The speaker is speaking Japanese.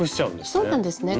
そうなんですね。